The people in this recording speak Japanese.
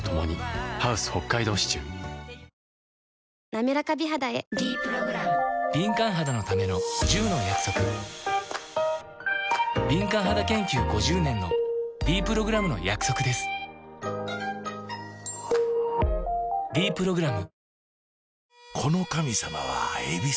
なめらか美肌へ「ｄプログラム」敏感肌研究５０年のｄプログラムの約束です「ｄプログラム」